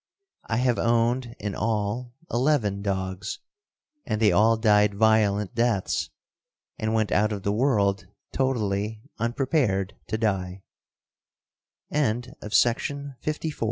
I have owned, in all, eleven dogs, and they all died violent deaths, and went out of the world totally unprepared to di